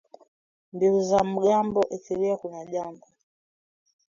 Mbiu za mgambo ikilia kuna jambo